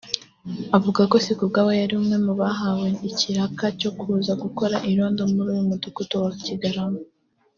avuga ko Sikubwabo yari umwe mu bahawe ikiraka cyo kuza gukora irondo muri uyu Mudugudu wa Kigarama